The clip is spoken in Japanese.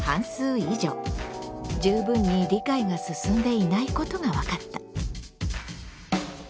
十分に理解が進んでいないことが分かった。